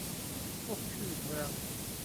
พวกชื่อเมือง